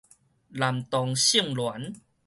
男同性戀